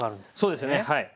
そうですねはい。